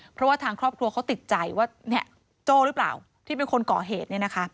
เพราะว่าทางครอบครัวเขาติดใจว่าโจ้หรือเปล่าที่เป็นคนก่อเหตุ